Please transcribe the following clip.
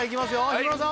日村さん